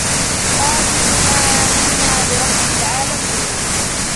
قالوا آمنا برب العالمين